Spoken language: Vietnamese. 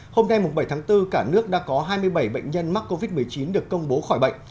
hôm nay bảy tháng bốn cả nước đã có hai mươi bảy bệnh nhân mắc covid một mươi chín được công bố khỏi bệnh